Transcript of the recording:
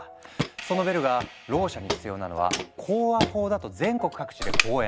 そのベルがろう者に必要なのは口話法だと全国各地で講演。